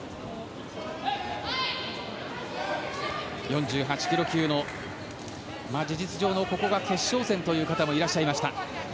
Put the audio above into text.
４８ｋｇ級の事実上のここが決勝戦という方もいらっしゃいました。